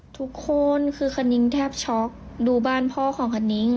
ทุกคนคือคณิ้งแทบช็อกดูบ้านพ่อของคณิ้ง